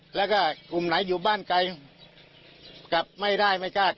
กลุ่มไหนตามไปอยู่บ้านไกลกลับไม่ได้ไม่กล้าการ